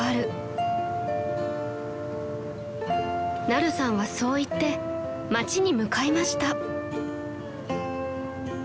［ナルさんはそう言って街に向かいました］